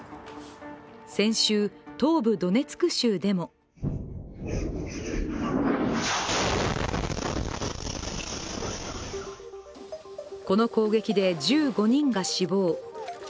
先週、東部ドネツク州でもこの攻撃で１５人が死亡。